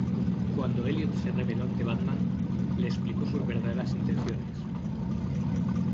Cuando Elliot se reveló ante Batman, le explicó sus verdaderas intenciones.